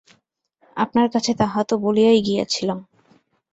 আপনার কাছে তাহা তো বলিয়াই গিয়াছিলাম।